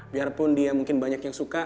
biarpun dia mungkin banyak yang suka